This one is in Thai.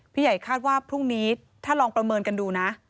ใหญ่คาดว่าพรุ่งนี้ถ้าลองประเมินกันดูนะ